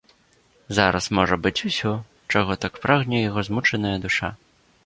Зараз можа быць усё, чаго так прагне яго змучаная душа.